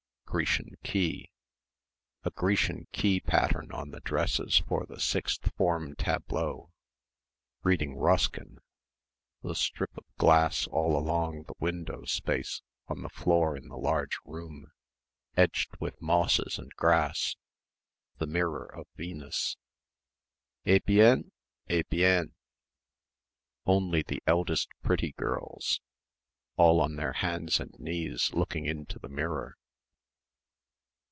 Grecian key ... a Grecian key pattern on the dresses for the sixth form tableau reading Ruskin ... the strip of glass all along the window space on the floor in the large room edged with mosses and grass the mirror of Venus.... "Eh bien? Eh bien!" ... Only the eldest pretty girls ... all on their hands and knees looking into the mirror....